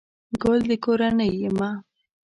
گل دکورنۍ يمه